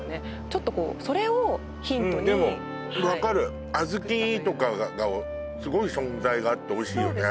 ちょっとこうそれをヒントにうんでも分かるあずきとかがすごい存在があっておいしいよね